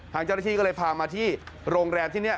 ทางเจ้าหน้าที่ก็เลยพามาที่โรงแรมที่นี่